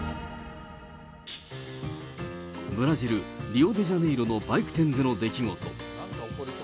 ブラジル・リオデジャネイロのバイク店での出来事。